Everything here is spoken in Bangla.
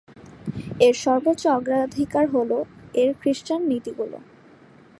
এর সর্বোচ্চ অগ্রাধিকার হ'ল এর খ্রিস্টান নীতিগুলি।